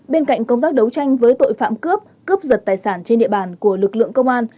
bên cạnh công tác đấu tranh với tội phạm cướp cướp giật tài sản trên địa bàn của lực lượng công an